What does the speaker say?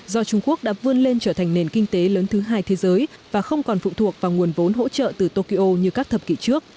do trung quốc đã vươn lên trở thành nền kinh tế lớn thứ hai thế giới và không còn phụ thuộc vào nguồn vốn hỗ trợ từ tokyo như các thập kỷ trước